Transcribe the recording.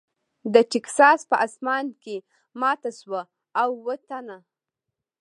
د ټیکساس په اسمان کې ماته شوه او اووه تنه .